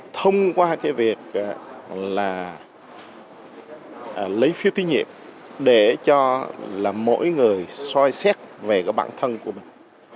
thông qua việc lấy phiếu tiết nghiệm để cho mỗi người xoay xét về bản thân của mình